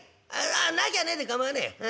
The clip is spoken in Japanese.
ああなきゃねえで構わねえよ。